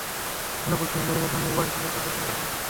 অনেক উদ্ধারকারীই এখন এই ওয়াইল্ড বোর ফুটবল টিমের সদস্যদের খুঁজছে।